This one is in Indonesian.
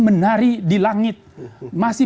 menari di langit masih